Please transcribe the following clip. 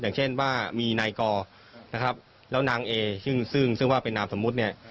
อย่างเช่นว่ามีนายกอนะครับแล้วนางเอซึ่งซึ่งว่าเป็นนามสมมุติเนี่ย